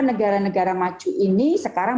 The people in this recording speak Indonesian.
negara negara maju ini sekarang